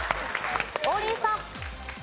王林さん。